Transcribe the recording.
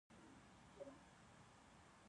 افغانستان کې ژبې د چاپېریال د تغیر یوه نښه ده.